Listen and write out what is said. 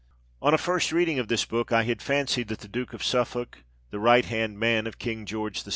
On a first reading of this book I had fancied that the Duke of Suffolk, the right hand man of King George VI.